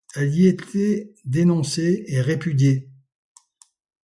Elle y était dénoncée et répudiée.